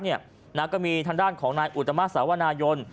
ก็มีทางด้านของนายอุตมาสาวนายน